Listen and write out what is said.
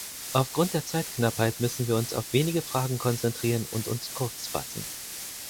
Aufgrund der Zeitknappheit müssen wir uns auf wenige Fragen konzentrieren und uns kurz fassen.